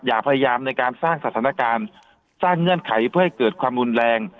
อย่าพยายามในการสร้างสถานการณ์สร้างเงื่อนไขเพื่อให้เกิดความรุนแรง